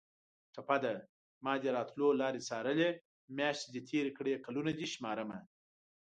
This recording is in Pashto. ټپه ده: مادې راتلو لارې څارلې میاشتې دې تېرې کړې کلونه دې شمارمه